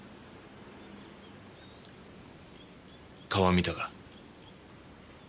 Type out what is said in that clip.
顔は見たか？